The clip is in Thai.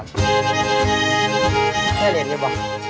ไม่เคยเล่นแล้วบอก